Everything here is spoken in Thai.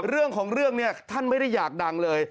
เรื่องของเรื่องเนี่ยท่านไม่ได้อยากดังเลย